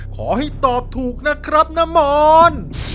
ขอให้ตอบถูกนะครับนมอน